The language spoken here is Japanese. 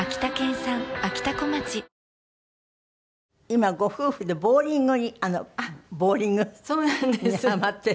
今ご夫婦でボウリングにボウリングにハマっているんですって？